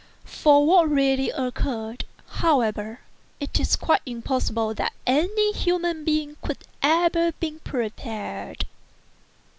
For what really occurred, however, it is quite impossible that any human being could have been prepared.